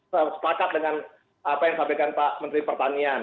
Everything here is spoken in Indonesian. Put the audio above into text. sepakat dengan apa yang disampaikan pak menteri pertanian